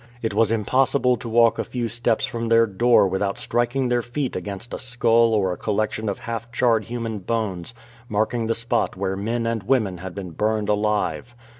It was impossible to walk a few steps from their door without striking their feet against a skull or a col lection of half charred human bones, marking the spot where men and women had been burned alive.